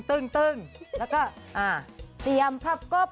เตียมพับกบ